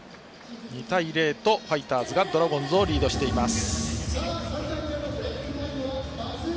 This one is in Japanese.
２対０とファイターズがドラゴンズをリードしています。